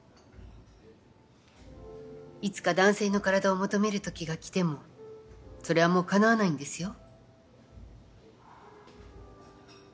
いつか男性の体を求めるときが来てもそれはもうかなわないんですよ。